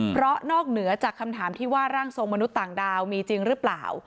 เพราะนอกเหนือจากคำถามที่ว่าร่างทรงมนุษย์ต่างดาวมีจริงหรือเปล่า